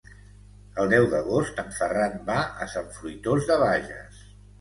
El deu d'agost en Ferran va a Sant Fruitós de Bages.